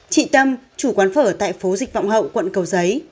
chị tâm chủ quán phở tại phố dịch vọng hậu quận cầu giấy